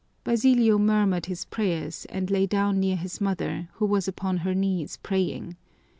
Basilio murmured his prayers and lay down near his mother, who was upon her knees praying.